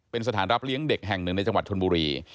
เป็นสถานรับเลี้ยงเด็กแห่งหนึ่งในจังหวัดชนบุรี